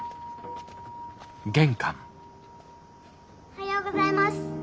おはようございます。